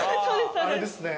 あれですね。